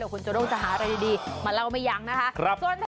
เดี๋ยวคุณจูด้งจะหาอะไรดีมาเล่าไหมยังนะคะครับส่วน